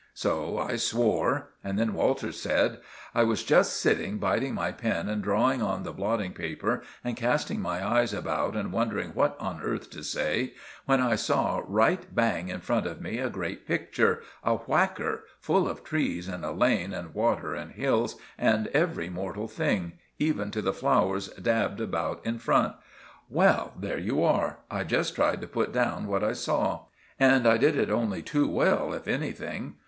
So I swore. Then Walters said— "I was just sitting biting my pen and drawing on the blotting paper and casting my eyes about and wondering what on earth to say, when I saw right bang in front of me a great picture—a whacker—full of trees and a lane, and water and hills, and every mortal thing, even to the flowers dabbed about in front. Well—there you are! I just tried to put down what I saw. And I did it only too well, if anything.